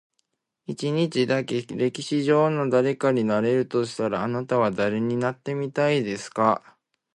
一日だけ、歴史上の誰かになれるとしたら、あなたは誰になってみたいですか？